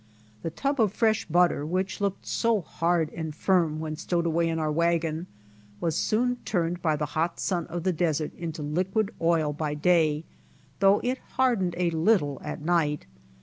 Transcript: The tub of fresh butter, which looked so hard and firm when stowed away in our wagon, was soon turned by the hot sun of the desert into liquid oil by day, though it hardened a little at night.